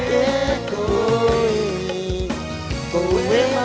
tidak ada apa apa